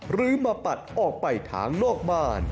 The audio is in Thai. หรือมาปัดออกไปทางนอกบ้าน